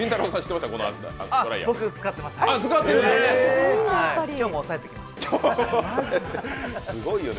僕、使ってますね。